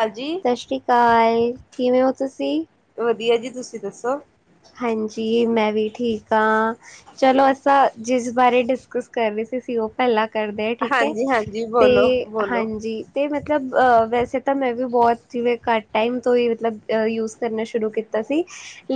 ਹਾਂਜੀ ਸਤਿ ਸ਼੍ਰੀ ਅਕਾਲ। ਕਿਵੇਂ ਹੋ ਤੁਸੀਂ? ਵਧੀਆ ਜੀ ਤੁਸੀਂ ਦੱਸੋ? ਹਾਂਜੀ ਮੈਂ ਵੀ ਠੀਕ ਹਾਂ, ਚਲੋ ਅਸਾਂ ਜਿਸ ਬਾਰੇ ਡਿਸਕਸ ਕਰ ਰਹੇ ਸੀ ਅਸੀ ਉਹ ਪਹਿਲਾਂ ਕਰਦੇ ਏ, ਠੀਕ ਹੈ, ਹਾਂਜੀ ਹਾਂਜੀ ਤੇ ਬੋਲੋ ਬੋਲੋ ਹਾਂਜੀ ਤੇ ਮਤਲ ਮਤਲਬ ਵੈਸੇ ਤਾਂ ਮੈਂ ਵੀ ਬਹੁਤ ਹੀ ਘੱਟ ਟਾਈਮ ਤੋਂ ਹੀ ਮਤਲਬ ਯੂਜ ਕਰਨਾ ਸ਼ੁਰੂ ਕੀਤਾ ਸੀ।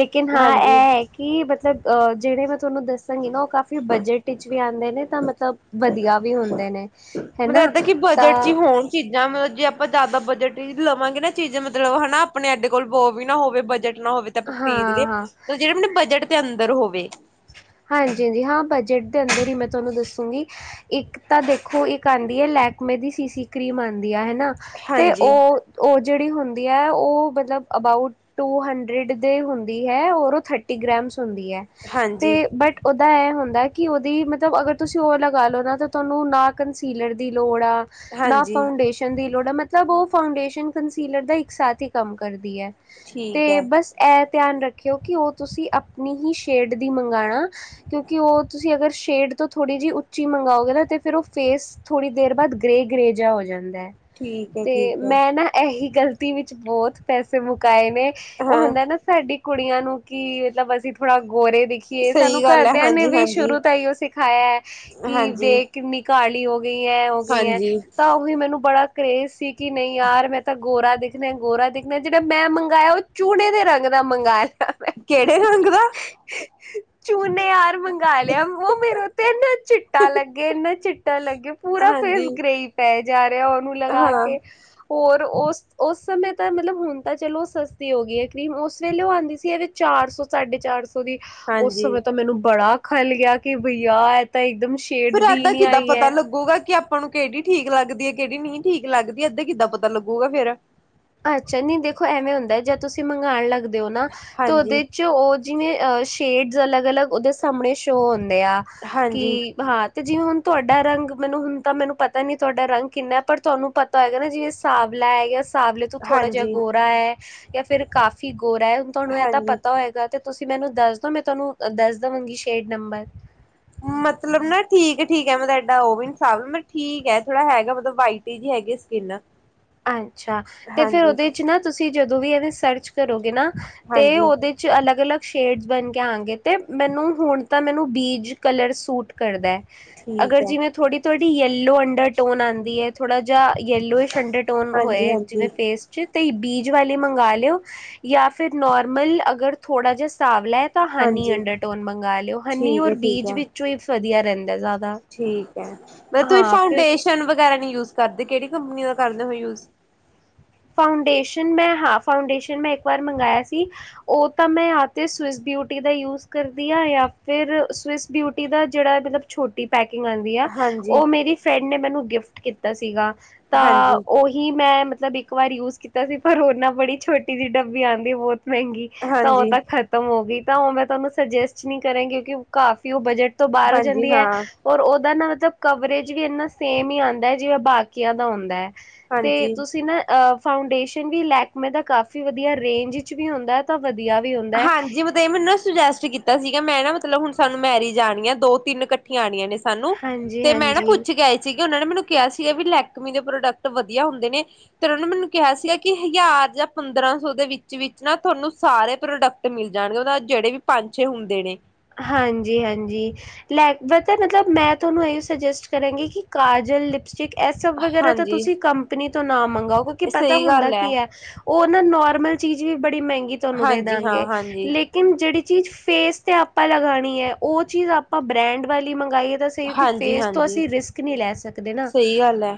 ਲੇਕਿਨ ਹਾਂ ਹਾਂਜੀ ਇਹ ਕਿ ਮਤਲਬ ਅ ਜਿਹੜੇ ਮਤ ਤੁਹਾਨੂੰ ਦੱਸਾਂਗੀ ਨਾ ਉਹ ਕਾਫੀ ਬਜਟ ਵਿੱਚ ਵੀ ਆਉਂਦੇ ਨੇ ਤਾਂ ਮਤਲਬ ਵਧੀਆ ਵੀ ਹੁੰਦੇ ਨੇ। ਮਤਲਬ ਹਨਾ। ਏਦਾਂ ਕਿ ਤਾਂ ਬਜਟ ਚ ਹੀ ਹੋਣ ਚੀਜ਼ਾਂ ਮਤ ਜੇ ਆਪਾਂ ਜ਼ਿਆਦਾ ਬਜਟ ਹੀ ਲਵਾਂਗੇ ਨਾ ਚੀਜ਼ ਮਤਲਬ ਹੈਨਾ ਅਪਣੇ ਐਡੇ ਕੋਲ ਬਹੁ ਵੀ ਨਾ ਹੋਵੇ ਬਜਟ ਨਾ ਹੋਵੇ ਤੇ ਆਪਾਂ ਖਰੀਦ ਹਾਂ ਲਏ ਹਾਂ ਜਿਹੜੇ ਮੈਨੂੰ ਬਜਟ ਤੇ ਅੰਦਰ ਹੋਵੇ। ਹਾਂਜੀ ਹਾਂਜੀ, ਹਾਂ ਬਜਟ ਦੇ ਅੰਦਰ ਹੀ ਮੈਂ ਤੁਹਾਨੂੰ ਦੱਸੂਂਗੀ। ਇੱਕ ਤਾਂ ਦੇਖੋ, ਇੱਕ ਆਂਦੀ ਹੈ ਲੈਕਮੇ ਦੀ ਸੀਸੀ ਕਰ੍ਰੀਮ ਆਂਦੀ। ਹੈਨਾ। ਤੇ ਹਾਂਜੀ ਉਹ ਉਹ ਜਿਹੜੀ ਹੁੰਦੀ ਹੈ ਉਹ ਮਤਲਬ ਅਬਾਊਟ ਟੂ ਹੰਡਰਡ ਦੇ ਹੁੰਦੀ ਹੈ। ਹੋਰ ਉਹ ਥਰਟੀ ਗ੍ਰੇਮਸ ਹੁਂਦੀ ਹੈ। ਤੇ ਹਾਂਜੀ ਬਟ ਉਹ ਇਹ ਹੁੰਦਾ ਕਿ ਉਹਦੀ ਮਤਲਬ ਅਗਰ ਤੁਸੀਂ ਉਹ ਲਗਾ ਲੋ ਨਾ ਤਾਂ ਤੁਹਾਨੂੰ ਨਾ ਕੰਸੀਲਰ ਦੀ ਲੋੜ ਨਾ ਹਾਂਜੀ ਫਾਊਂਡੇਸ਼ਨ ਦੀ ਲੋੜ ਹੈ। ਮਤਲਬ ਮਤਲਬ ਉਹ ਫਾਡੇਸ਼ਨ ਕੰਸੀਲਰ ਦਾ ਇੱਕ ਸਾਥ ਹੀ ਕੰਮ ਕਰਦੀ ਏ। ਠੀਕ ਤੇ ਹੈ ਬਸ ਇਹ ਧਿਆਨ ਰੱਖਿਓ ਕਿ ਉਹ ਤੁਸੀਂ ਆਪਣੀ ਹੀ ਸ਼ੇਡ ਦੀ ਮੰਗਾਣਾ ਕਿਉਂਕਿ ਉਹ ਤੁਸੀਂ ਅਗਰ ਸ਼ੇਡ ਤੋਂ ਥੋੜ੍ਹੀ ਜਿਹੀ ਉੱਚੀ ਮੰਗਾਓਗੇ ਨਾ ਤੇ ਫਿਰ ਉਹ ਫੇਸ ਥੋੜੀ ਦੇਰ ਬਾਅਦ ਗ੍ਰੇ ਗ੍ਰੇ ਜਿਹਾ ਹੋ ਜਾਂਦਾ। ਠੀਕ ਹੈ ਤੇ ਠੀਕ ਹੈ ਮੈਂ ਨਾ ਇਹੀ ਗ਼ਲਤੀ ਵਿੱਚ ਬਹੁਤ ਪੈਸੇ ਮੁਕਾਏ ਨੇ। ਉਹ ਹਾਂ ਹੁੰਦਾ ਨਾ ਸਾਡੀ ਕੁੜੀਆਂ ਨੂ ਕਿ ਮਤਲਬ ਅਸੀਂ ਥੋੜਾ ਗੋਰੇ ਦਿਖੀਏ। ਸਹੀ ਸਾਨੂੰ ਗੱਲ ਹੈ ਘਰਦਿਆਂ ਨੇ ਹਾਂਜੀ ਵੀ ਹਾਂਜੀ ਸ਼ੁਰੂ ਤ ਅਉਹ ਸਿਖਾਇਆ ਏ ਕਿ ਹਾਂਜੀ ਦੇਖ ਕਿੰਨੀ ਕਾਲ ਲੀ ਓ। ਗਈ ਏ ਉਹ ਗਈ ਏ ਹਾਂਜੀ ਤਾਂ ਉਹੀ ਮੈਨੂੰ ਬੜਾ ਕਰੇਜ਼ ਸੀ ਕਿ ਨਹੀਂ ਯਾਰ ਮੈਂ ਤਾਂ ਗੋਰਾ ਦਿਖਣਾ, ਗੋਰਾ ਦਿਖਣਾ। ਜਿਹੜਾ ਮੈਂ ਮੰਗਾਇਆ ਉਹ ਚੂੜੇ ਦੇ ਰੰਗ ਦਾ ਮੰਗਾ ਲਿਆ। ਕਿਹੜੇ ਰੰਗ ਦਾ ਚੂਨੇ ਯਾਰ ਮੰਗਾ ਲਿਆ। ਉਹ ਮੇਰੇ ਤੇ ਇੰਨਾ ਚਿੱਟਾ ਲੱਗੇ, ਇਨਾ ਚਿੱਟਾ ਲੱਗੇ ਪੂਰਾ ਹਾਂਜੀ ਫੇਸ ਗ੍ਰੇਈ ਪੈ ਗਿਆ ਉਹਨੂੰ ਲਗਾ ਹਾਂ ਕੇ, ਹੋਰ ਉਸ ਉਸ ਸਮੇਂ ਤਾਂ ਮਤਲਬ ਹੁਣ ਤਾਂ ਚਲੋ ਸਸਤੀ ਹੋ ਗਈ ਏ ਕਰੀਮ, ਉਸ ਵੇਲੇ ਉਹ ਆਂਦੀ ਸੀ ਇਹ ਵੀ ਚਾਰ ਸੌ, ਸਾਢੇ ਚਾਰ ਸੌ ਦੀ। ਉਸ ਹਾਂਜੀ ਸਮੇਂ ਤਾਂ ਮੈਨੂੰ ਬੜਾ ਖਲ ਗਿਆ ਕਿ ਬਈਆ ਇਹ ਤਾਂ ਇੱਕ ਦਮ ਫੇਰ ਏਦਾਂ ਕਿੱਦਾਂ ਪਤਾ ਲੱਗੁਗਾ ਕਿ ਆਪਾਂ ਨੂੰ ਕਿਹੜੀ ਠੀਕ ਲੱਗ ਲੱਗਦੀ ਹੈ ਕਿਹੜੀ ਨਹੀਂ ਠੀਕ ਲੱਗਦੀ ਇੱਧਾਂ ਕਿੱਦਾਂ ਪਤਾ ਲੱਗੂਗਾ ਫੇਰ ਤੁਸੀ ਮੰਗਾਣ ਲੱਗ ਤੇ ਔ ਨ ਤੇ ਹਾਂਜੀ ਉਹਦੇ ਚ ਉਹ ਜਿਵੇਂ ਅਹ ਸ਼ੇਡ ਅਲੱਗ- ਅਲਗ ਉਹਦੇ ਸਾਹਮਣੇ ਸ਼ੋਅ ਹੁੰਦੇ ਆ ਹਾਂਜੀ ਕਿ ਹਾਂ, ਤੇ ਜਿਵੇਂ ਹੁਣ ਤੁਹਾਡਾ ਰੰਗ, ਮੈਨੂੰ ਹੁਣ ਤਾਂ ਮੈਨੂੰ ਪਤਾ ਨਹੀਂ ਤੁਹਾਡਾ ਰੰਗ ਕਿੰਨਾ ਏ, ਪਰ ਤੁਹਾਨੂੰ ਪਤਾ ਹੋਏਗਾ ਨਾ ਜਿਵੇਂ ਸਾਂਵਲਾ ਹੈਗਾ ਸਾਵਲੇ ਤੋਂ ਥੋੜਾ ਜਿਹਾ ਹਾਂਜੀ ਗੋਰਾ ਹੈ ਜਾਂ ਫਿਰ ਕਾਫੀ ਗੋਰਾ ਹੈ ਤੁਹਾਨੂੰ ਇਹ ਤਾਂ ਹਾਂਜੀ ਪਤਾ ਹੋਏਗਾ ਤੇ ਤੁਸੀਂ ਮੈਨੂੰ ਦੱਸਦੋ, ਮੈਂ ਤੁਹਾਨੂੰ ਦੱਸ ਦੇਵਾਂਗੀ ਸ਼ੇਡ ਨੰਬਰ। ਮਤਲਬ ਨਾ ਠੀਕ ਹੈ ਠੀਕ ਹੈ ਮਤਲਬ ਏਡਾ ਔ ਵੀ ਨੀ ਮਤਬ ਠੀਕ ਹੈ ਥੋੜਾ ਹੈਗਾ ਮਤਲਬ ਵਾਈਟ ਜਹੀ ਹੈਗੀ ਸਕਿੰਨ। ਅੱਛਾ ਤੇ ਫੇਰ ਹਾਂਜੀ ਉਹਦੇ ਚ ਨਾ ਤੁਸੀ ਤੁਸੀਂ ਜਦੋਂ ਵੀ ਇਹਦੇ ਸਰਚ ਕਰੋਗੇ ਨਾ ਤੇ ਹਾਂਜੀ ਉਹਦੇ ਚ ਅਲੱਗ- ਅਲੱਗ ਸ਼ੇਡਸ ਬਣ ਕੇ ਆਣਗੇ ਤੇ ਮੈਨੂੰ ਹੁਣ ਤਾਂ ਮੈਨੂੰ ਬੀਜ ਕਲਰ ਸੂਟ ਕਰਦਾ ਹੈ। ਠੀਕ ਅਗਰ ਹੈ ਜਿਵੇਂ ਥੋੜ੍ਹੀ-ਥੋੜੀ ਦੀ ਯੇਲੋ ਅੰਡਰ ਟੋਨ ਆਉਂਦੀ ਹੈ ਥੋੜਾ ਜਾ ਯੈਲੋਇਸ਼ ਅੰਡਰ ਟੋਨ ਹਾਂਜੀ ਹੋਏ ਜਿਵੇਂ ਹਾਂਜੀ ਫੇਸ ਚ ਬੀਜ ਵਾਲੀ ਮੰਗਾ ਲਿਓ ਜਾਂ ਫੇਰ ਨੋਰਮਲ ਅਗਰ ਥੋੜਾ ਜਿਹਾ ਸਾਫ਼ ਲੈ ਤਾਂ ਹਨੀ ਹਾਂਜੀ ਅੰਡਰਟੋਨ ਮੰਗਾ ਲਿਓ, ਹਨੀ ਠੀਕ ਔਰ ਹੈ ਠੀਕ ਬੀਚ ਹੈ ਵਿੱਚੋਂ ਹੀ ਵਧੀਆ ਰਹਿੰਦਾ ਜਾ ਠੀਕ ਐ ਮੈਂ ਕਿਹਾ ਤੁਸੀਂ ਫਾਊਂਡੇਸ਼ਨ ਵਗੈਰਾ ਨੀ ਯੂਜ ਕਰਦੇ, ਕਿਹੜੀ ਕੰਪਨੀ ਦਾ ਕਰਦੇ ਹੋ ਯੂਜ ਫਾਊਂਡੇਸ਼ਨ ਮੈਂ ਹਾਂ ਫਾਊਂਡੇਸ਼ਨ ਮੈਂ ਇੱਕ ਵਾਰ ਮੰਗਾਇਆ ਸੀ, ਉਹ ਤਾਂ ਮੈਂ ਜਾਂ ਤੇ ਸਵਿਸ ਬਿਊਟੀ ਦਾ ਯੂਜ ਕਰਦੀ ਹਾਂ ਜਾਂ ਫਿਰ ਸਵਿਸ ਬਿਊਟੀ ਦਾ ਜਿਹੜਾ ਮਤਲਬ ਛੋਟੀ ਪੈਕੇਟ ਆਉਂਦੀ ਆ, ਹਾਂਜੀ ਉਹ ਮੇਰੀ ਫਰੈਂਡ ਨੇ ਮੈਨੂੰ ਗਿਫਟ ਕੀਤਾ ਸੀਗਾ। ਤਾਂ ਹਾਂਜੀ ਉਹੀ ਮੈਂ ਮਤ ਸ ਦੀ ਇੱਕ ਵਾਰ ਯੂਜ ਕੀਤਾ ਸੀ, ਪਰ ਉਹ ਨਾ ਬੜੀ ਛੋਟੀ ਜਿਹੀ ਡੱਬੀ ਆਂਦੀ ਏ ਬਹੁਤ ਮਹਿੰਗੀ ਤਾਂ ਉਹ ਹਾਂਜੀ ਤਾਂ ਖਤਮ ਹੋ ਗਈ। ਤਾਂ ਉਹ ਮੈਂ ਤੁਹਾਨੂੰ ਸੁਜੈਸਟ ਨਹੀਂ ਕਰਾਂਗੀ, ਕਿਉਂਕਿ ਕਾਫ਼ੀ ਉਹ ਬਜਟ ਤੋਂ ਬਾਹਰ ਹੋ ਜਾਂਦੀ ਹਾਂਜੀ ਐ, ਹਾਂ ਔਰ ਉਹਦਾ ਨਾ ਮਤਲਬ ਕਵਰੇਜ ਵੀ ਇੰਨਾ ਸੇਮ ਹੀ ਆਂਦਾ, ਜਿਵੇਂ ਬਾਕੀਆਂ ਦਾ ਆਉਂਦਾ। ਤੇ ਹਾਂਜੀ। ਤੁਸੀਂ ਨਾ ਫਾਊਂਡੇਸ਼ਨ ਵੀ ਲੈਕਮੇ ਦਾ ਕਾਫ਼ੀ ਵਧੀਆ ਰੇਂਜ ਚ ਵੀ ਹੁੰਦਾ, ਤਾਂ ਵਧੀਆ ਵੀ ਹੁੰਦਾ ਹੈ ਹਾਂਜੀ ਮਤਲਬ ਇਹ ਮੈਨੂੰ ਨਾ ਸੁਜੈਸਟ ਕੀਤਾ ਸੀਗਾ ਮੈਂ ਨਾ ਮਤਲਬ ਮਤਲਬ ਹੁਣ ਸਾਨੂੰ ਮੈਰਿਜ ਆਣੀਆਂ ਦੋ ਤਿੰਨ ਕੱਠੀਆਂ ਆਣੀਆਂ ਨੇ। ਸਾਨੂੰ ਹਾਂਜੀ ਤੇ ਮੈਂ ਨਾ ਹਾਂਜੀ ਪੁੱਛ ਕੇ ਆਏ ਸੀਗੇ ਉਹਨਾਂ ਨੇ ਮੈਨੂੰ ਕਿਹਾ ਸੀਗਾ ਵੀ ਲੈਕਮੀ ਦੇ ਪ੍ਰੋਡਕਟ ਵਧੀਆ ਹੁੰਦੇ ਨੇ, ਤੇ ਉਹ ਨੇ ਮੈਨੂੰ ਕਿਹਾ ਸੀਗਾ ਕਿ ਹਜ਼ਾਰ ਜਾਂ ਪੰਦਰਾਂ ਸੌ ਦੇ ਵਿੱਚ- ਵਿੱਚ ਨਾ ਤੁਹਾਨੂੰ ਸਾਰੇ ਪ੍ਰੋਡਕਟ ਮਿਲ ਜਾਣਗੇ, ਮਤਲਬ ਜਿਹੜੇ ਵੀ ਪੰਜ ਛੇ ਹੁੰਦੇ ਨੇ। ਹਾਂਜੀ- ਹਾਂਜੀ ਲੈ ਪਤਾ ਮਤਲਬ ਮੈਂ ਤੁਹਾਨੂੰ ਇਹੀ ਔ ਸੁਜੈਸਟ ਕਰਾਂਗੀ ਕਿ ਕਾਜਲ, ਲਿਪਸਟਿਕ ਇਹ ਸਭ ਵਗੈਰਾ ਤਾਂ ਹਾਂਜੀ ਤੁਸੀਂ ਕੰਪਨੀ ਤੋਂ ਨਾ ਮੰਗਾਓ, ਕਿਉਂਕਿ ਪਤਾ ਸਹੀ ਹੁੰਦਾ ਗੱਲ ਹੈ ਕੀ ਐ ਉਹ ਨਾ ਨੋਰਮਲ ਚੀਜ਼ ਵੀ ਬੜੀ ਮਹਿੰਗੀ ਤੁਹਾਨੂੰ ਦੇ ਹਾਂਜੀ ਹਾਂ ਦਾਂਗੇ ਹਾਂਜੀ ਲੇਕਿਨ ਜਿਹੜੀ ਚੀਜ਼ ਫੇਸ ਤੇ ਆਪ ਆਪਾਂ ਲਗਾਣੀ ਹੈ ਉਹ ਚੀਜ਼ ਆਪਾਂ ਬ੍ਰੈਂਡ ਵਾਲੀ ਮੰਗ ਗਾਈਏ ਤਾਂ ਸਹੀ ਕਿ ਹਾਂਜੀ ਫੇਸ ਤੋਂ ਹਾਂਜੀ ਅਸੀਂ ਰਿਸਕ ਨਹੀਂ ਲੈ ਸਕਦੇ ਨਾ। ਸਹੀ ਗੱਲ ਹੈ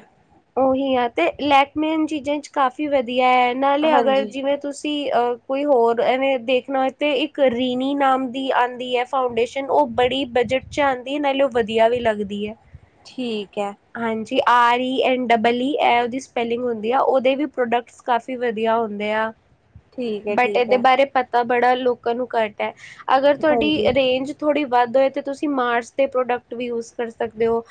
ਉਹੀ ਆ ਤੇ ਲੈਕਮੇ ਇਨ ਚੀਜ਼ਾਂ ਚ ਕਾਫ਼ੀ ਵਧੀਆਂ ਐ ਨਾਲੇ ਅਗਰ ਹਾਂਜੀ ਜਿਵੇਂ ਤੁਸੀਂ ਅ ਕੋਈ ਹੋਰ ਐਵੇਂ ਦੇਖਨਾ ਹੋਏ ਤੇ, ਇੱਕ ਰੀਨੀ ਨਾਮ ਦੀ ਆੰ ਦੀ ਫਾਊਂਡੇਸ਼ਨ ਉਹ ਬੜੀ ਬਜਟ ਚ ਆਉਂਦੀ ਹੈ ਨਾਲੇ ਉਹ ਵਧੀਆ ਵੀ ਲੱਗਦੀ ਹੈ ਠੀਕ ਐ। [inaudible] ਠੀਕ ਹੈ ਬਟ ਠੀਕ ਏਦੇ ਹੈ ਬਾਰੇ ਪਤਾ ਬੜਾ ਲੋਕਾਂ ਨੂੰ ਘੱਟ ਐ ਤੁਆਡੀ ਹਾਂਜੀ ਰੇਂਜ ਥੋੜੀ ਵੱਦ ਹੋਏ ਤੇ ਤੁਸੀਂ ਮਾਰਸ ਦੇ ਪ੍ਰੋਡਕਟ ਵੀ ਯੂਜ਼ ਕਰ ਸਕਦੇ ਓ,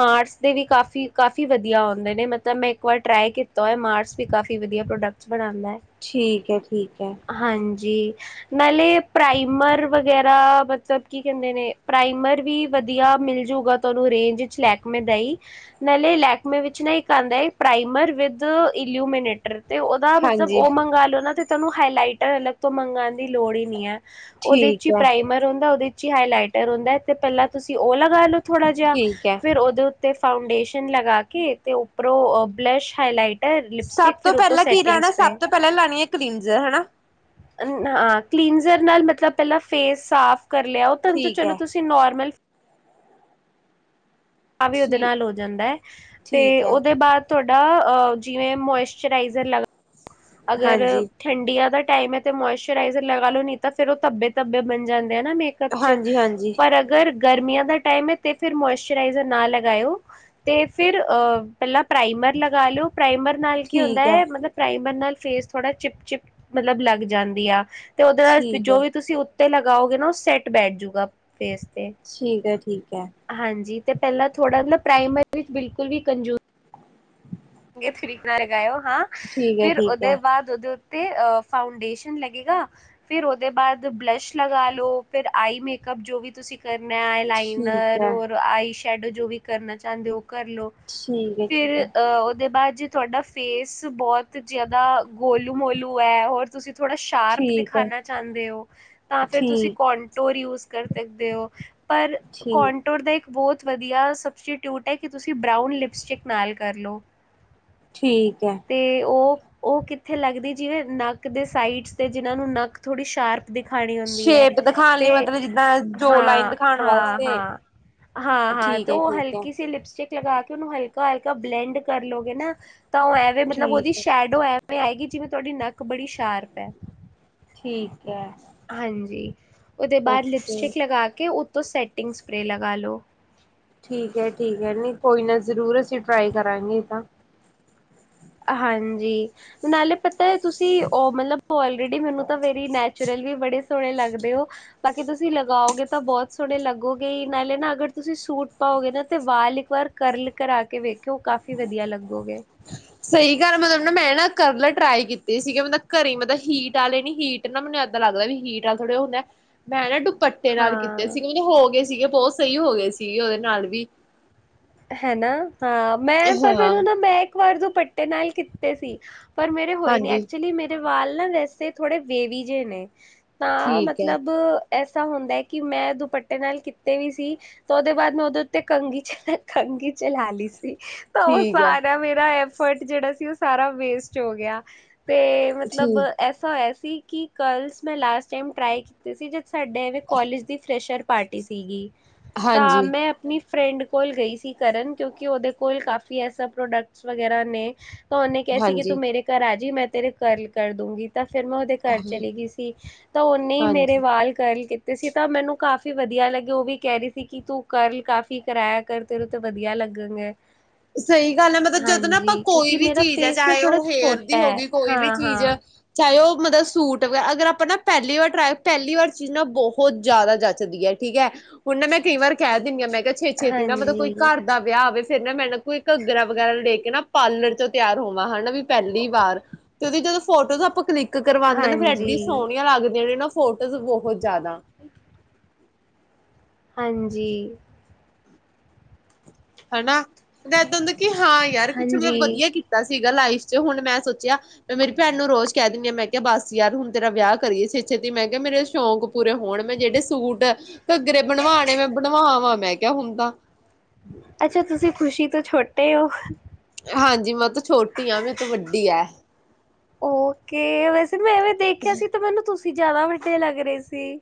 ਮਾਰਸ ਦੇ ਵੀ ਕਾਫ਼ੀ-ਕਾ਼ਫੀ ਵਦੀਆ ਆਓਂਦੇ ਨੇ, ਮਤਲਬ ਮੈਂ ਇੱਕ ਵਾਰ ਟ੍ਰਾਏ ਕੀਤਾ ਓਏ ਮਾਰਸ ਵੀ ਕਾਫ਼ੀ ਵਦੀਆ ਪ੍ਰੋਡਕਟਸ ਬਣਾਉਂਦਾ ਹੈ ਠੀਕ ਏ, ਠੀਕ ਐ ਜੀ ਨਾਲੇ ਪ੍ਰਾਈਮਰ ਵਗੈਰਾ, ਮਤਲਬ ਕੀ ਕੈਂਦੇ ਨੇ ਪ੍ਰਾਈਮਰ ਵੀ ਵਦੀਆ ਮਿਲਜੂਗਾ ਤੁਆਨੂ ਰੇਂਜ ਚ ਲੈਕਮੇ ਦਾ ਈ, ਨਾਲੇ ਲੈਕਮੇ ਵਿੱਚ ਨਾ ਇੱਕ ਆਂਦੈ ਪ੍ਰਾਈਮਰ ਵਿਦ ਇਲੂਮੀਨੇਟਰ ਤੇ ਓਦਾ ਮਤਲਬ ਹਾਂਜੀ ਓ ਮੰਗਾ ਲਓ ਨਾ ਤੇ ਤੁਆਨੂੰ ਹਾਈਲਾਈਟਰ ਅਲੱਗ ਤੋਂ ਮੰਗਾਨ ਦੀ ਲੋੜ ਈ ਨੀ ਐ। ਓਦੇ ਚੀ ਠੀਕ ਹੈ ਪ੍ਰਾਈਮਰ ਹੁੰਦਾ ਉਦੇ ਚੀ ਹਾਏਲਾਏਟਰ ਹੁੰਦੈ, ਤੇ ਪੈਲਾਂ ਤੁਸੀਂ ਓ ਲਗਾ ਲੋ ਥੋੜਾ ਜੇਆ ਠੀਕ ਹੈ ਫੇਰ ਓਦੇ ਊ ਤੇ ਫਾਊਂਡੇਸ਼ਨ ਲਗਾ ਕੇ ਤੇ ਉੱਪਰੋਂ ਬਲਸ਼ ਹਾਈਲਾਈਟ ਸਾਬ ਤੋਂ ਪੈਲਾਂ ਕੀ ਲਾਣੈ? ਸਭ ਤੋਂ ਪੈਲਾਂ ਲਾਨੀ ਐ ਕਲੀਨਜ਼ਰ ਹੈਨਾ। ਅ ਨਾ ਕੀਲੀਨਜ਼ਰ ਨਾਲ ਮਤਲਬ ਪੇਲਾਂ ਫੇਸ ਸਾਫ਼ ਕਰ ਲੇਆ ਓ ਤਨ ਠੀਕ ਚਲੋ ਹੈ ਤੁਸੀ ਨੋਰਮਲ [unintelligible] ਵੀ ਉਦੇ ਠੀਕ ਨਾਲ ਹੋ ਜਾਂਦੈ ਤੇ ਠੀਕ ਹੈ ਓਦੇ ਬਾਦ ਤੋਡਾ ਅ ਜਿਵੇਂ ਮੋਇਸ਼ਰਾਈਜ਼ਰ ਲੱਗ ਅਗਰ ਹਾਂਜੀ ਠੰਡੀਆਂ ਦ ਟਾਈਮ ਏ ਤੇ ਮੋਇਸ਼ਰਾਈਜ਼ਰ ਲਗਾ ਲੋੋ, ਨਈ ਤਾ ਫੇਰ ਓ ਧੱਬੇ- ਧੱਬੇ ਬਨ ਜਾਂ ਦੇ ਨਾ ਮੇਕਪ ਚ, ਹਾਂਜੀ ਹਾਂਜੀ ਪਰ ਅਗਰ ਗਰਮੀਆਂ ਦਾ ਟਾਈਮ ਏ ਤੇ ਫੇਰ ਮੋਇਸ਼ਰਾਈਜ਼ਰ ਨਾ ਲਗਾਏਓ, ਤੇ ਫਿਰ ਅ ਪੇਲਾਂ ਪ੍ਰਾਈਮਰ ਲਗਾ ਲੇਓ ਪ੍ਰਾਈਮਰ ਨਾਲ ਕੀ ਠੀਕ ਹੈ ਹੁੰਦੈ, ਮਤਲਬ ਪ੍ਰਾਈਮਰ ਨਾਲ ਫੇਸ ਥੋੜਾ ਚਿਪ-ਚਿਪ ਮਤਲਬ ਲੱਗ ਜਾਂਦੀ ਆ। ਤੇ ਓਦੇ ਵਾਸਤੇ ਠੀਕ ਹੈ ਜੋ ਵੀ ਤੁਸੀ ਤੇ ਲਗਾਓ ਗੇ ਨਾ ਓ ਸੈੱਟ ਬੈਠ ਜੂਗਾ। ਫੇਸ ਤੇ, ਠੀਕ ਹੈ ਠੀਕ ਹੈ ਹਾਂਜੀ ਤੇ ਪੇਲਾਂ ਥੋੜਾ ਨ ਪ੍ਰਾਈਮਰ ਵਿੱਚ ਬਿਲਕੁਲ ਵੀ ਕੰਜ਼ੂ ਥਰੀਕ ਨਾਲ ਲਗਾਇਓ ਹਾਂ ਠੀਕ ਹੈ ਫਿਰ ਠੀਕ ਉਹਦੇ ਬਾਅਦ ਉਹਦੇ ਅਤੇ ਫਾਊਂਡੇਸ਼ਨ ਲੱਗੇਗਾ ਫਿਰ ਉਹਦੇ ਬਾਅਦ ਬਲਸ਼ ਲਗਾ ਲਓ ਫਿਰ ਆਈ ਮੇਕਅਪ ਜੋ ਵੀ ਤੁਸੀਂ ਕਰਨਾ ਆਈ ਲਾਈਨਰ ਹੈ ਔਰ ਆਈ ਸ਼ ਸ਼ੈਡੋ ਜੋ ਵੀ ਕਰਨਾ ਚਾਹੁੰਦੇ ਹੋ ਕਰਲੋ ਠੀਕ ਹੈ ਠੀਕ ਫਿਰ ਹੈ ਅਹ ਦੇ ਬਾਅਦ ਜੇ ਤੁਹਾਡਾ ਫੇਸ ਬਹੁਤ ਜ਼ਿਆਦਾ ਗੋਲੂ ਮੋਲੂ ਹੈ ਹੋਰ ਤੁਸੀਂ ਥੋੜ੍ਹਾ ਸ਼ਾਰਪ ਠੀਕ ਹੈ ਠੀਕ ਹੈ ਦਿਖਾਣਾ ਚਾਹੁੰਦੇ ਹੋ ਤਾਂ ਫਿਰ ਤੁਸੀਂ ਠੀਕ ਕੋਂਟੋਰ ਯੂਸ ਕਰ ਸਕਦੇ ਹੋ ਪਰ ਠੀਕ ਕੋਨਟੋਰ ਦਾ ਇੱਕ ਬਹੁਤ ਵਧੀਆ ਸਬਸਿਟਿਊਟ ਹੈ ਕਿ ਤੁਸੀਂ ਬਰਾਊਨ ਲਿਪਸਟਿਕ ਨਾਲ ਕਰ ਲਓ ਠੀਕ ਹੈ ਤੇ ਉਹ ਉਹ ਕਿੱਥੇ ਲੱਗਦੀ ਜਿਵੇਂ ਨੱਕ ਦੇ ਸਾਈਡਸ ਤੇ ਜਿਹਨਾਂ ਨੂੰ ਨੱਕ ਥੋੜੀ ਸ਼ਾਰਪ ਦਿਖਾਣੀ ਹੁੰਦੀ ਹੈ ਸ਼ੇਪ ਦਿਖਾਣ ਤੇ ਲਈ ਮਤਲਬ ਜਿੱਦਾਂ ਜੋ ਲਾਈਨ ਹਾਂ ਦਿਖਾਣ ਹਾਂ ਵਾਸਤੇ ਹਾਂ ਹਾਂ ਹਾਂ ਠੀਕ ਤੇ ਹੈ ਉਹ ਠੀਕ ਹੈ ਹਲਕੀ ਸੀ ਲਿਪਸਟਿਕ ਲਗਾ ਕੇ ਉਹਨੂੰ ਹਲਕੀ ਕਾਲਕਾ ਬਲੈਂਡ ਕਰਲੋਗੇ ਨਾ ਤਾਂ ਉਹ ਐਵੇ ਮਤਲਬ ਉਹਦੀ ਸ਼ੈਡੋ ਹੈ ਐਵੇਂ ਆਏਗੀ ਜਿਵੇਂ ਤੁਹਾਡੀ ਨੱਕ ਬੜੀ ਸ਼ਾਰਪ ਹੈ ਠੀਕ ਹੈ, ਹਾਂਜੀ, ਉਹਦੇ ਬਾਅਦ ਓਕੇ ਲਿਪਸਟਿਕ ਲਗਾ ਕੇ ਉਤੋਂ ਸੈੱਟ ਟਿੰਗ ਸਪਰੇਅ ਲਗਾ ਲਓ। ਠੀਕ ਹੈ ਠੀਕ ਹੈ ਨਹੀਂ ਕੋਈ ਨਾ ਜ਼ਰੂਰ ਅਸੀਂ ਟਰਾਈ ਕਰਾਂਗੇ ਤਾਂ ਹਾਂਜੀ ਨਾਲੇ ਪ ਤਾਂ ਤੁਸੀਂ ਉਹ ਮਤਲਬ ਆਲਰੇਡੀ ਮੈਨੂੰ ਤਾਂ ਵੇਰੀ ਨੈਚੁਰਲ ਵੀ ਬੜੇ ਸੋਹਣੇ ਲੱਗਦੇ ਹੋ ਬਾਕੀ ਤੁਸੀਂ ਲਗਾਓਗੇ ਤਾਂ ਬਹੁਤ ਸੋਹਣੇ ਲੱਗੋਗੇ ਨਾਲੇ ਨਾ ਅਗਰ ਤੁਸੀਂ ਸੂਟ ਪਾਓਗੇ ਨਾ ਤੇ ਵਾਲ ਇੱਕ ਵਾਰ ਕਰਲ ਕਰਾ ਕੇ ਵੇਖੋ। ਕੀ ਕਾਫ਼ੀ ਵਧੀਆ ਲੱਗੋਗੇ। ਘਰ ਮਤਲਬ ਨਾ ਮੈਂ ਨਾ ਕਰਲਾ ਟਰਾਈ ਕੀਤੀ ਸੀਗੇ ਮਤਲਬ ਘਰੇ ਮਤਲ ਹੀਟ ਵਾਲੇ ਨੀ ਹੀਟ ਨਾ ਮੈਨੂੰ ਇੱਦਾਂ ਲੱਗਦਾ ਵੀ ਹੀਟ ਵਾਲੇ ਥੋੜ੍ਹੇ ਉਹ ਹੁੰਦਾ ਮੈਂ ਨਾ ਡੁ ਪੱਟੇ ਨਾਲ ਹਾਂ। ਕੀਤੇ ਸੀਗੇ ਮਤਲਬ ਹੋਗੇ ਸੀ, ਸੀਗੇ ਬਹੁਤ ਸਹੀ ਹੋ ਗਏ ਸੀਗੇ ਉਹਦੇ ਨਾਲ ਵੀ ਹੈਨਾ। ਹਾਂ ਮੈਂ ਪਰ ਹਾਂ ਮੈਨੂੰ ਨਾ ਮੈਂ ਇੱਕ ਵਾਰ ਪੱਟੇ ਨਾਲ ਕੀਤੇ ਸੀ। ਪਰ ਮੇਰੇ ਹੋਏ ਨ ਹਾਂਜੀ ਐਕਚੁਲੀ ਮੇਰੇ ਸਵਾਲ ਨਾ ਵੈਸੇ ਥੋੜੇ ਵੇਵੀ ਜਿਹੇ ਨੇ, ਤਾਂ ਠੀਕ ਹੈ ਮਤਲਬ, ਐਸਾ ਹੁੰਦਾ ਹੈ ਕਿ ਮੈਂ ਦੁਪੱਟੇ ਨਾਲ ਕੀਤੇ ਵੀ ਸੀ ਤੇ ਉਹਦੇ ਬਾਅਦ ਮੈਂ ਉਹਦੇ ਉੱਤੇ ਕੰਘੀ ਚ ਖੰਘ ਚਲਾਲੀ ਸੀ, ਤਾਂ ਉਹ ਠੀਕ ਹੈ ਸਾਰਾ ਮੇਰਾ ਐ, ਫਟ ਜਿਹੜਾ ਸੀ ਉਹ ਸਾਰਾ ਵੇਸਟ ਹੋ ਗਿਆ। ਤੇ ਮਤਲਬ ਠੀਕ ਐਸਾ ਹੋਇਆ। ਸੀ ਕਿ ਕਰਲਸ ਮੈਂ ਲਾਸਟ ਟਾਈਮ ਟਰਾਈ ਕੀਤੇ ਸੀ ਜ ਸਾਡੇ ਐਵੇਂ ਕੋਲਜ ਦੀ ਫਰੈਸ਼ਰ ਪਾਰਟੀ ਸੀਗੀ। ਤਾਂ ਹਾਂਜੀ ਮੈਂ ਆਪਣੀ ਫਰੈਂਡ ਕੋਲ ਗਈ ਸੀ। ਕਰਨ ਕਿਉਂਕਿ ਉਹਦੇ ਕੋਲ ਕਾਫੀ ਐਸਾ ਪ੍ਰੋਡਕਟਸ ਵਗੈਰਾ ਨੇ ਤਾਂ ਉਹਨੇ ਕਹਿ ਸੀ ਕਿ ਤੂੰ ਹਾਂਜੀ ਮੇਰੇ ਘਰ ਆ ਜਾਈ ਮੈਂ, ਤੇਰੇ ਕਰਲ ਕਰ ਦੂੰਗੀ ਤਾਂ ਫੇਰ ਮੈਂ ਉਹਦੇ ਘਰ ਚਲੀ ਗਈ ਸੀ ਤਾਂ ਉਹਨੇ ਹੀ ਮੇਰੇ ਹਾਂਜੀ ਵਾਲ ਕਰਲ ਕੀਤੇ ਸੀ ਤਾਂ ਮੈਨੂੰ ਕਾਫੀ ਕੀ ਵਧੀਆ ਲੱਗੇ ਉਹ ਵੀ ਕਹਿ ਰਹੀ ਸੀ ਕਿ ਤੂੰ ਕਰਲ ਕਾਫ਼ੀ ਕਰਾਇਆ ਕਰ। ਤੇੈਨੂੰ ਤਾਂ ਵਧੀਆ ਲੱਗਣਗੇ। ਸਹੀ ਗੱਲ ਹੈ ਮਤਲਬ ਜਦੋਂ ਨਾ ਆਪਾਂ ਹਾਂਜੀ ਕੋਈ ਕਿਉਂਕਿ ਵੀ ਮੇਰਾ ਚੀਜ਼ ਹੈ ਫੇਸ ਨਾ ਚਾਹੇ ਥੋੜਾ ਉਹ ਹੇਅਰ ਛੋਟਾ ਦੀ ਹੋ ਹੈ ਗਈ ਕੋਈ ਵੀ ਹਾਂ ਚੀਜ਼ ਹਾਂ ਚਾਹੇ ਉਹ ਮਤਲਬ ਸੂਟ ਵਗੈਰਾ ਅਗਰ ਆਪਾਂ ਪਹਿਲੀ ਵਾਰ ਟਰਾ ਪਹਿਲੀ ਵਾਰ ਚੀਜ਼ ਨਾ ਬਹੁਤ ਜ਼ਿਆਦਾ ਜੱਚਦੀ ਹੈ ਠੀਕ ਹੈ ਹੁਣ ਨਾ ਮੈਂ ਕਈ ਵਾਰ ਕਹਿ ਦਿਣੀ ਮੈਂ ਤੇ ਛੇ ਛੇਤੀ ਨਾ ਮਤਲਬ ਕੋਈ ਹਾਂਜੀ ਘਰ ਦਾ ਵਿਆਹ ਆਵੇ ਫੇਰ ਨਾ ਮੈਂ ਨਾ ਕੋਈ ਘੱਗਰਾ ਵਗੈਰਾ ਦੇਖ ਕੇ ਨਾ ਪਾਰਲਰ 'ਚੌਂ ਤਿਆਰ ਹੋਵਾਂ ਹਨਾ ਵੀ ਪਹਿਲੀ ਵਾਰ ਤੇ ਉਹਦੀ ਜਦੋਂ ਫੋਟੋਜ਼ ਆਪਾਂ ਕਲਿੱਕ ਕਰ ਕਰਵਾਉਂਦੇ ਨੇ ਫ਼ਿਰ ਐਡੀ ਹਾਂਜੀ ਸੋਹਣੀਆਂ ਲੱਗਦੀਆਂ ਨੇ ਨਾ ਫੋਟੋਜ਼ ਬਹੁਤ ਜ਼ਿਆਦਾ ਹਾਂਜੀ। ਹਨਾ ਤੇ ਇਦਾਂ ਦੇ ਕਿ ਹਾਂ ਯਾਰ ਕੁੱਝ ਮਤਲਬ ਹਾਂਜੀ ਵਧੀਆ ਕੀਤਾ ਸੀ। ਸੀਗਾ ਲਾਈਫ 'ਚ ਹੁਣ ਮੈਂ ਸੋਚਿਆ ਮੇਰੀ ਭੈਣ ਨੂੰ ਰੋਜ਼ ਕਹਿ ਦਿੰਦੀ ਆ ਮੈਂ ਕਿਹਾ ਬਸ ਯਾਰ ਹੁਣ ਤੇਰਾ ਵਿਆਹ ਕਰੀਏ ਛੇਤੀ-ਛੇਤੀ ਮੈਂ ਕਿਹਾ ਮੇਰੇ ਸ਼ੌਕ ਪੂਰੇ ਹੋਣ ਮੈਂ ਜਿਹੜੇ ਸੂਟ ਘੱਗਰੇ ਬਣਵਾਣੇ ਮੈਂ ਬਣਵਾਵਾਂ ਮੈਂ ਕਿਹਾ ਹੁਣ ਤਾਂ ਅੱਛਾ, ਤੁਸੀਂ ਖੁਸ਼ੀ ਤੋਂ ਛੋਟੇ ਹੋ। ਹਾਂਜੀ ਮੈਂ ਤਾਂ ਛੋਟੀ ਆ, ਮੇਰੇ ਤੋਂ ਵੱਡੀ ਐ। ਓਕੇ, ਵੈਸੇ ਮੈਂ ਐਵੇਂ ਦੇਖਿਆ ਸੀ ਤੇ ਮੈਨੂੰ ਤੁਸੀਂ ਤੁਸੀਂ ਜ਼ਿਆਦਾ ਵੱਡੇ ਲੱਗ ਰਹੇ ਸੀ।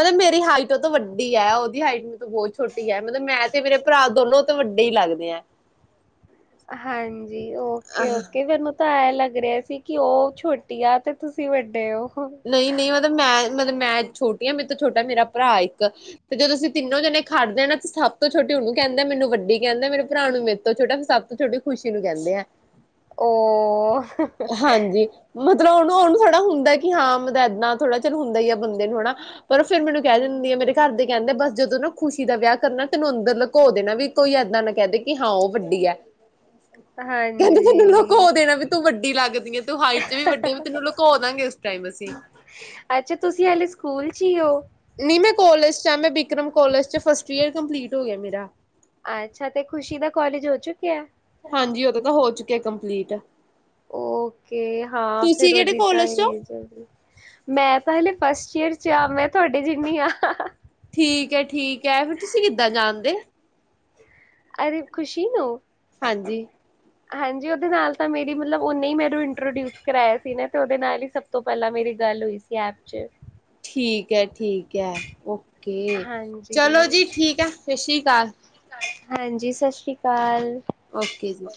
ਮਤਲਬ ਮੇਰੀ ਹਾਈਟ ਉਹ ਤੋਂ ਵੱਡੀ ਐ। ਉਹਦੀ ਹਾਈਟ ਮੇਰੇ ਤੋਂ ਬਹੁਤ ਛੋਟੀ ਐ। ਮਤਲਬ ਮੈਂ ਤੇ ਮੇਰੇ ਭਰਾ ਦੋਨੋ ਉਹ ਤੋਂ ਵੱਡੇ ਹੀ ਲੱਗਦੇ ਆ। ਹਾਂਜੀ, ਓਕੇ ਓਕੇ ਫੇਰ ਮੈ‌ ਉਹ ਤਾ ਇਹ- ਲੱਗ ਰਿਹਾ ਸੀ ਕਿ ਉਹ ਛੋਟੀ ਆ ਤੇ ਤੁਸੀਂ ਵੱਡੇ ਹੋ। ਨਹੀਂ ਨਹੀਂ ਮਤਲਬ ਮੈਂ ਮਤਲਬ ਮੈਂ ਛੋਟੀ ਹਾਂ ਮੇਰੇ ਤੋਂ ਛੋਟਾ ਮੇਰਾ ਭਰਾ ਇੱਕ ਤੇ ਜਦੋਂ ਅਸੀਂ ਤਿੰਨੋ ਜਣੇ ਖੜਦੇ ਆ ਨਾ ਤੇ ਸਭ ਤੋਂ ਛੋਟੀ ਉਹਨੂੰ ਕਹਿੰਦੇ, ਮੈਨੂੰ ਵੱਡੀ ਕਹਿੰਦੇ, ਮੇਰੇ ਭਰਾ ਨੂੰ ਮੇਰੇ ਤੋਂ ਛੋਟਾ, ਸਭ ਤੋਂ ਛੋਟੀ ਖੁਸ਼ੀ ਨੂੰ ਕਹਿੰਦੇ ਆ। ਓ, ਉਹ ਨੂੰ ਓਹਨੂੰ ਥੌੜਾ ਜਿਹਾ ਹੁੰਦਾ। ਕਿ ਹਾਂ ਮਤਲਬ ਇਦਾਂ ਥੋੜ੍ਹਾ ਜਿਹਾ ਹੁੰਦਾ ਹੀ ਹੈ ਬੰਦੇ ਨੂੰ ਹਨਾ ਪਰ ਫਿਰ ਮੈਨੂੰ ਕਹਿ ਦਿੰਦੀ ਆ ਮੇਰੇ ਘਰ ਦੇ ਕਹਿੰਦੇ ਬਸ ਜਦੋਂ ਨਾ ਖੁਸ਼ੀ ਦਾ ਵਿਆਹ ਕਰਨਾ, ਤੈਨੂੰ ਅੰਦਰ ਲੁਕੋ ਦੇਣਾ ਵੀ ਕੋਈ ਇੱਦਾਂ ਨਾ ਕਹਿ ਦੇ ਕਿ ਹਾਂ ਉਹ ਵੱਡੀ ਹੈ। ਕਹਿੰਦੇ ਤੈਨੂੰ ਲੁਕੋ ਹਾਂਜੀ ਦੇਣਾ ਵੀ ਤੂੰ ਵੱਡੀ ਕਿ ਲੱਗਦੀ ਐ ਤੂੰ ਹਾਈਟ'ਚ ਵੀ ਵੱਡੀ ਵੀ ਤੈਨੂੰ ਲੁਕੋ ਦਾਂਗੇ। ਟਾਈਮ ਅਸੀਂ ਅੱਛਾ ਤੁਸੀਂ ਹਲੇ ਸਕੂਲ 'ਚ ਹੀ ਹੋ। ਨਹੀਂ ਮੈਂ ਕਾਲੇਜ 'ਚ ਆ। ਮੈਂ ਬਿਕਰਮ ਕਾਲੇਜ 'ਚ ਫਸਟ ਈਅਰ ਕੰਪਲੀਟ ਹੋ ਗਿਆ ਮੇਰਾ। ਅੱਛਾ ਤੇ ਖ਼ੁਸ਼ੀ ਦਾ ਕਾਲੇਜ ਹੋ ਚੁੱਕਿਆ? ਹਾਂਜੀ, ਉਹਦੇ ਤਾਂ ਹੋ ਚੁੱਕਿਆ ਕੰਪਲੀਟ। ਓਕੇ, ਹਾਂ, ਤੁਸੀਂ ਫਿਰ ਕਿਹੜੇ ਉਹਦੀ ਤਾਂ ਕੋਲਜ ਚੋਂ? ਏਜ ਹੈਗੀ, ਮੈਂ ਤਾਂ ਹਲੇ ਫਸਟ ਈਅਰ ਚਾ ਮੈਂ ਤੁਹਾਡੀ ਜਿੰਨੀ ਆ ਠੀਕ ਹੈ, ਠੀਕ ਹੈ, ਫਿਰ ਤੁਸੀਂ ਕਿੱਦਾਂ ਜਾਣਦੇ? ਅਰੇ, ਖੁਸ਼ੀ ਨੂੰ? ਹਾਂਜੀ। ਹਾਂਜੀ, ਓਦੇ ਨਾਲ ਤਾਂ ਮੇਰੀ ਮਤਲਬ ਓਨੇ ਮੈਨੂੰ ਇੰਟ੍ਰੋਡੂਸ ਕਰਾਇਆ ਸੀ ਨਾ ਤੇ ਓਦੇ ਨਾਲ ਹੀ ਸਭ ਤੋਂ ਪਹਿਲਾਂ ਮੇਰੀ ਗੱਲ ਹੋਈ ਸੀ ਐਪ 'ਚ। ਠੀਕ ਹੈ। ਠੀਕ ਹੈ ਓਕੇ ਚਲੋ ਹਾਂਜੀ ਜੀ ਠੀਕ ਹੈ ਸਤਿ ਸ਼੍ਰੀ ਅਕਾਲ ਹਾਂਜੀ ਸਤਿ ਸ਼੍ਰੀ ਅਕਾਲ ਓਕੇ ਜੀ